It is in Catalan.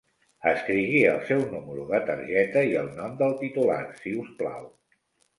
Escrigui el seu número de targeta i el nom del titular, si us plau.